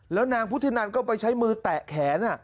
แล้วนางพุทธินันก็ไปใช้มือแตะแขน